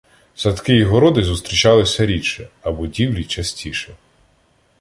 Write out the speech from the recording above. Садки і городи зустрічалися рідше, а будівлі частіше.